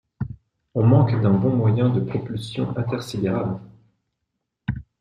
On manque d'un bon moyen de propulsion intersidéral.